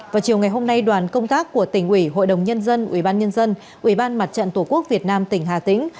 vào chiều ngày hôm nay đoàn công tác của tỉnh ủy hội đồng nhân dân ủy ban nhân dân ủy ban mặt trận tổ quốc việt nam tỉnh hà tĩnh